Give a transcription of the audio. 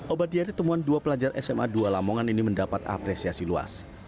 obat diari temuan dua pelajar sma dua lamongan ini mendapat apresiasi luas